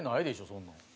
そんなん。